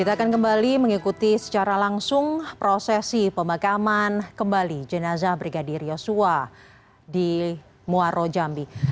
kita akan kembali mengikuti secara langsung prosesi pemakaman kembali jenazah brigadir yosua di muaro jambi